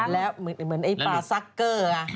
แล้วเหมือนไอ้ปลาซักเกอร์ไง